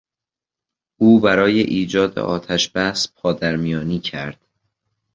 او برای ایجاد آتشبس پادرمیانی کرد.